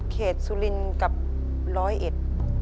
เขตสุลินกับร้อยเอ็ด